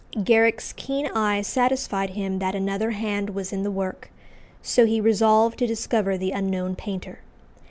Garrick's keen eye satisfied him that another hand was in the work; so he resolved to discover the unknown painter.